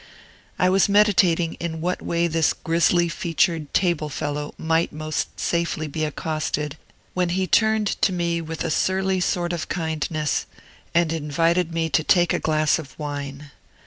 I was meditating in what way this grisly featured table fellow might most safely be accosted, when he turned to me with a surly sort of kindness, and invited me to take a glass of wine.